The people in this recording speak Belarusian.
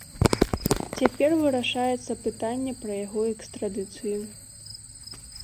Цяпер вырашаецца пытанне пра яго экстрадыцыю.